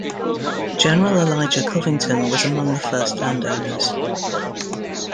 General Elijah Covington was among the first landowners.